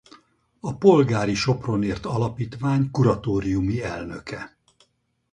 A Polgári Sopronért Alapítvány kuratóriumi elnöke.